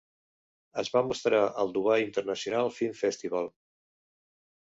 Es va mostrar al Dubai International Film Festival.